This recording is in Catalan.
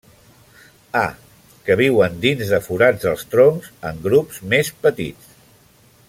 A, que viuen dins de forats dels troncs en grups més petits.